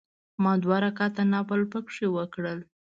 ما دوه رکعته نفل په کې وکړل.